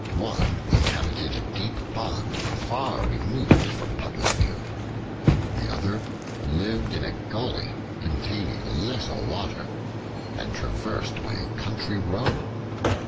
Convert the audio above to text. One inhabited a deep pond, far removed from public view; the other lived in a gully containing little water, and traversed by a country road.